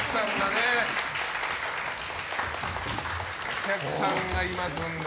お客さんがいますので。